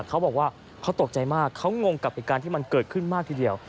เขาบอกว่าเขาตกใจมากเขางงกับเหตุการณ์ที่มันเกิดขึ้นมากทีเดียว